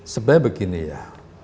sebenarnya begini ya